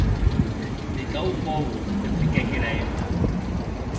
Me cau pòur, repliquèc era hemna.